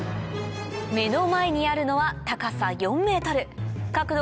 目の前にあるのは高さ４ｍ角度